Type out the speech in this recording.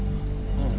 うん。